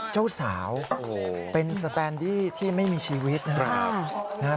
เจ้าสาวเป็นสแตนดี้ที่ไม่มีชีวิตนะครับ